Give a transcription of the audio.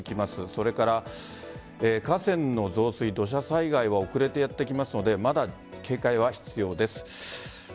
それから河川の増水、土砂災害は遅れてやってきますのでまだ警戒は必要です。